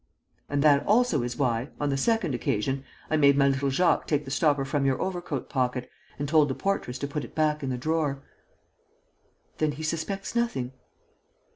And that also is why, on the second occasion, I made my little Jacques take the stopper from your overcoat pocket and told the portress to put it back in the drawer." "Then he suspects nothing?"